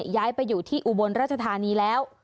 ย้ายไปอยู่ที่อุบลราชธานีแล้ว